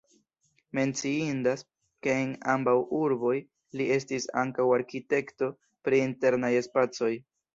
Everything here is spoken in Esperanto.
Menciindas, ke en ambaŭ urboj li estis ankaŭ arkitekto pri internaj spacoj.